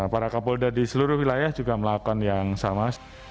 para kapolda di seluruh wilayah juga melakukan yang sama